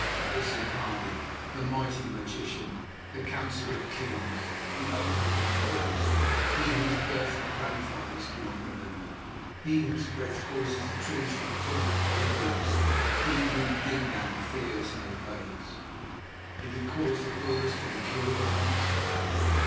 "That was Zikali, the Mighty Magician, the Counsellor of Kings, the Opener of Roads; he whose birth our grandfathers do not remember; he whose breath causes the trees to be torn out by the roots; he whom Dingaan fears and obeys." "Did he cause the Boers to be killed?" I asked.